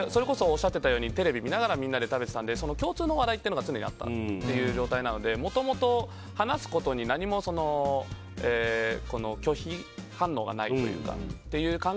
それこそ、テレビ見ながら食べていたので共通の話題というのが常にあったという状態なのでもともと、話すことに何も拒否反応がないというか。